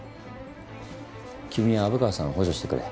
君は虻川さんを補助してくれ。